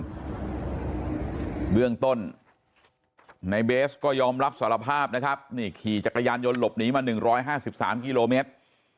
เบื้องต้นในเบสก็ยอมรับสารภาพนะครับนี่ขี่จักรยานยนต์หลบหนีมา๑๕๓กิโลเมตร